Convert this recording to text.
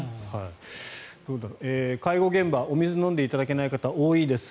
介護現場お水を飲んでいただけない方多いです。